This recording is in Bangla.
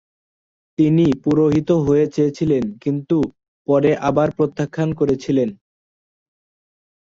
তিনি পুরোহিত হয়ে চেয়েছিলেন কিন্তু পরে আবার প্রত্যাখ্যান করেছিলেন।